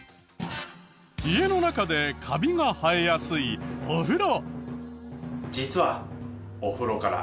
家の中でカビが生えやすいお風呂。